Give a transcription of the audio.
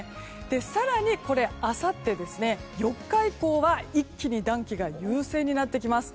更に、あさって４日以降は一気に暖気が優勢になってきます。